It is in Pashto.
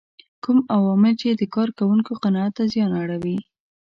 کوم عوامل چې د کار کوونکو قناعت ته زیان اړوي.